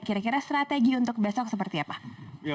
kira kira strategi untuk besok seperti apa